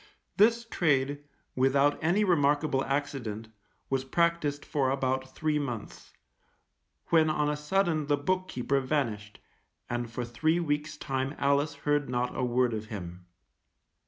This trade, without any remarkable accident, was practised for about three months, when on a sudden the book keeper vanished, and for three weeks' time Alice heard not a word of him.